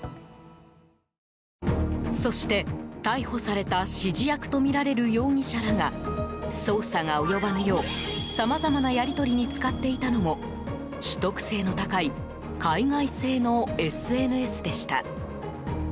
そして、逮捕された指示役とみられる容疑者らが捜査が及ばぬようさまざまなやりとりに使っていたのも秘匿性の高い海外製のＳＮＳでした。